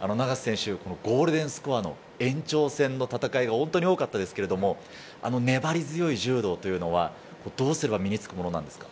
永瀬選手、ゴールデンスコア、延長戦での戦いが多かったですけれど、粘り強い柔道はどうすれば身につくんですか？